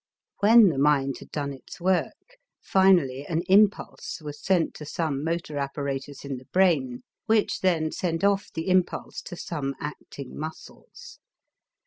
When the mind had done its work, finally an impulse was sent to some motor apparatus in the brain which then sent off the impulse to some acting muscles.